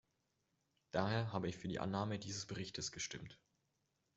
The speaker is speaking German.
Daher habe ich für die Annahme dieses Berichtes gestimmt.